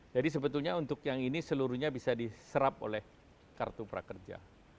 jadi sebetulnya untuk yang ini seluruhnya bisa diserap oleh kartu prakerja